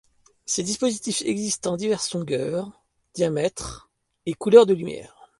Ces dispositifs existent en diverses longueurs, diamètre et couleurs de lumière.